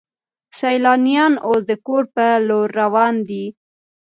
سیلانیان اوس د کور په لور روان دي.